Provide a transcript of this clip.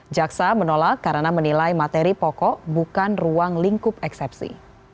jaksa menolak karena menilai materi pokok bukan ruang lingkup eksepsi